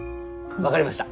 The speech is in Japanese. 分かりました！